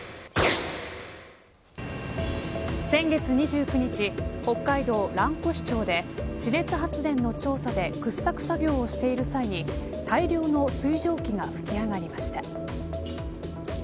先月２９日、北海道蘭越町で地熱発電の調査で掘削作業をしている際に大量の水蒸気が噴き上がりました。